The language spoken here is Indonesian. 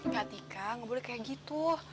kak tika gak boleh kayak gitu